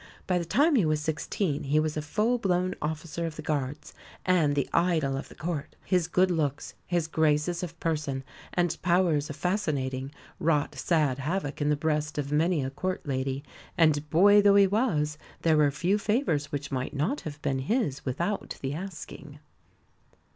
By the time he was sixteen he was a full blown officer of the Guards, and the idol of the Court. His good looks, his graces of person, and powers of fascinating wrought sad havoc in the breast of many a Court lady; and, boy though he was, there were few favours which might not have been his without the asking.